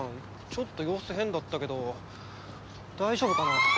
ちょっと様子変だったけど大丈夫かな？